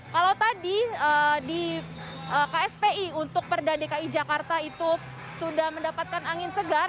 kalau tadi di kspi untuk perda dki jakarta itu sudah mendapatkan angin segar